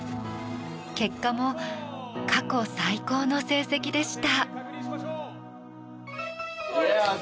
結果も過去最高の成績でした。